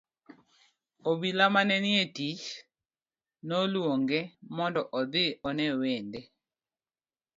Obila mane nitie e tich noluonge mondo odhi one wende.